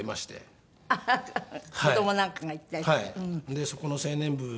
でそこの青年部。